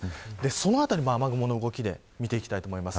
そのあたりも、雨雲の動きで見ていきたいと思います。